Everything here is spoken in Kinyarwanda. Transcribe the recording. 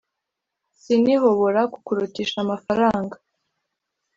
sinhobora kukurutisha amafaranga